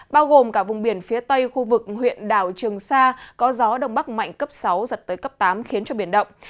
bao gồm cả vùng biển phía tây khu vực huyện đảo trường sa có gió đông bắc mạnh cấp sáu giật tới cấp tám khiến cho biển động